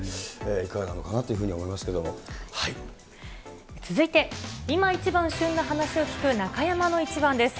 いかがなのかなというふうに思い続いて、今一番旬な話を聞く中山のイチバンです。